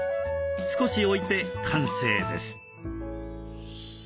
少し置いて完成です。